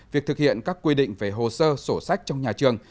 việc thực hiện các quy định về hồ sơ sổ sách trong nhà trường